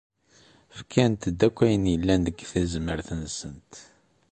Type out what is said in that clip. Fkant-d akk ayen yellan deg tezmert-nsent.